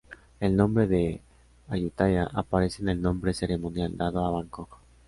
El nombre de Ayutthaya aparece en el nombre ceremonial dado a Bangkok.